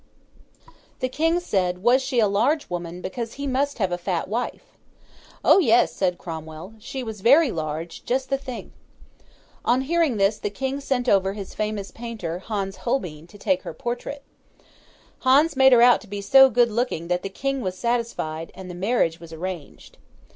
The King said was she a large woman, because he must have a fat wife? 'O yes,' said Cromwell; 'she was very large, just the thing.' On hearing this the King sent over his famous painter, Hans Holbein, to take her portrait. Hans made her out to be so good looking that the King was satisfied, and the marriage was arranged.